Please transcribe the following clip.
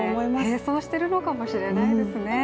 併走しているのかもしれないですね。